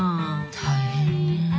大変ねぇ。